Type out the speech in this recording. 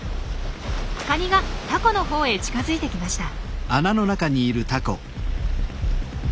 カニがタコの方へ近づいてきました。